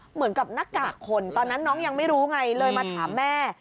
เหมือนกับหน้ากากคนตอนนั้นน้องยังไม่รู้ไงเลยมาถามแม่